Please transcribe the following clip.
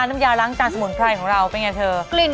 น้ำยาล้างจานสมุนไพรของเราเป็นไงเธอ